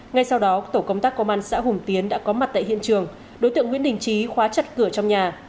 ngay sau đó tổ công tác công an xã hùng tiến đã có mặt tại hiện trường đối tượng nguyễn đình trí khóa chặt cửa trong nhà